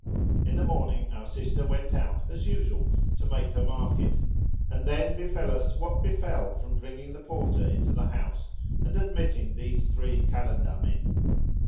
In the morning our sister went out, as usual, to make her market and then befel us what befel from bringing the Porter into the house and admitting these three Kalandar men.